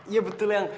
iya betul yang